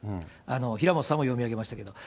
平本さんも読み上げましたけれども。